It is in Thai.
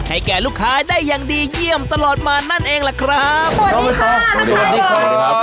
ให้แก่ลูกค้าได้อย่างดีเยี่ยมตลอดมานั่นเองล่ะครับสวัสดีค่ะสวัสดีครับ